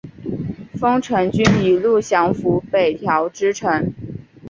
丰臣军一路降伏北条支城。